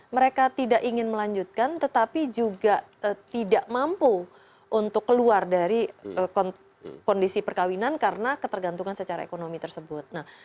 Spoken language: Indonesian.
mereka tidak ingin melanjutkan tetapi juga tidak mampu untuk keluar dari kondisi perkawinan karena ketergantungan secara ekonomi tersebut